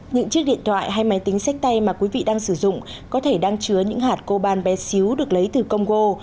những chiếc điện thoại hay máy tính sách tay mà quý vị đang sử dụng có thể đang chứa những hạt coban bé xíu được lấy từ congo